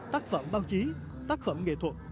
tác phẩm báo chí tác phẩm nghệ thuật